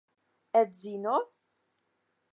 Edzino?